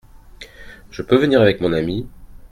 Je peux venir avec mon ami ?